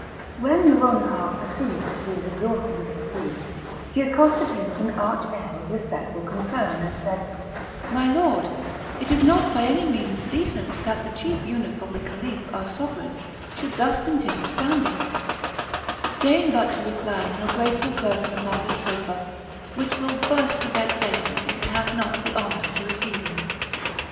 When Nouronihar perceived that he was exhausted with fatigue, she accosted him with an arch air of respectful concern, and said: "My lord, it is not by any means decent that the chief eunuch of the Caliph, our Sovereign, should thus continue standing; deign but to recline your graceful person upon this sofa, which will burst with vexation if it have not the honour to receive you."